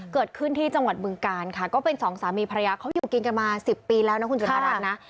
เกิดขึ้นที่จังหวัดบึงการค่ะก็เป็นสองสามีภรรยาเขาอยู่กินกันมา๑๐ปีแล้วนะคุณจุธารัฐนะ